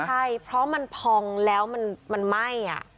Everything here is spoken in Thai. ใช่เพราะมันพองแล้วมันไหม้